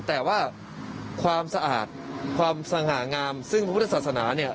แต่ว่าความสะอาดความสง่างามซึ่งพระพุทธศาสนาเนี่ย